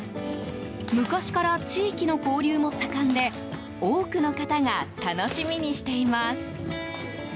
昔から、地域の交流も盛んで多くの方が楽しみにしています。